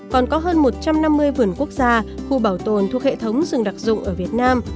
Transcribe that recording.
còn có hơn một trăm năm mươi vườn quốc gia khu bảo tồn thuộc hệ thống rừng đặc dụng ở việt nam